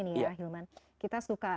nih ya hilman kita suka